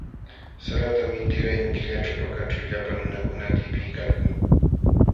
Salatam intiraymi killaćhu Pakaćhu llapa nunakuna tipiykalkan.